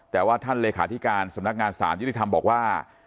แต่ว่าท่านเลขาธิการสำนักงานสารยุติธรรมบอกว่า